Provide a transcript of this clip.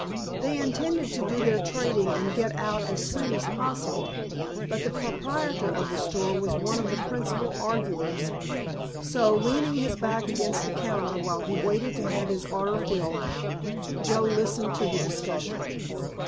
They intended to do their trading and get out as soon as possible, but the proprietor of the store was one of the principal arguers, so leaning his back against the counter while he waited to have his order filled, Joe listened to the discussion.